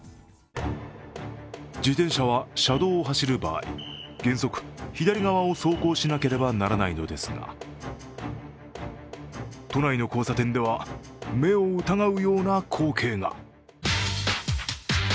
自転車は車道を走る場合、原則、左側を走行しなければならないのですが都内の交差点では、目を疑うような光景が。